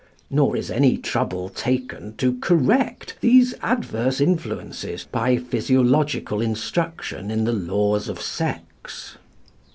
Nor is any trouble taken to correct these adverse influences by physiological instruction in the laws of sex.